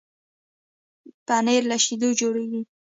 پنېر له شيدو جوړېږي.